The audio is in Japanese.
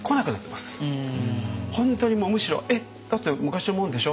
本当にむしろ「えっだって昔のもんでしょ？